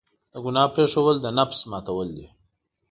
د ګناه پرېښودل، د نفس ماتول دي.